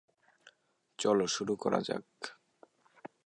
চলো, শুরু করা যাক।